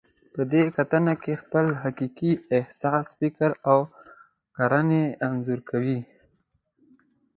په دې کتنه کې خپل حقیقي احساس، فکر او کړنې انځور کوئ.